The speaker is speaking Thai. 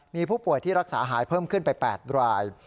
มีผู้ป่วยที่รักษาหายเพิ่มขึ้นไป๘ราย